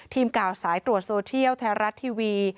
ทีมข่าวสายตรวจโซเทียลไทยรัฐทีวี